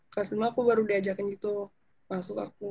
kelas lima aku baru diajakin gitu masuk aku